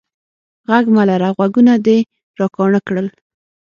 ږغ مه لره، غوږونه دي را کاڼه کړل.